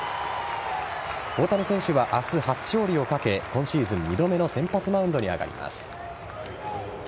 大谷選手は明日初勝利をかけ今シーズン２度目の先発マウンドに上がります。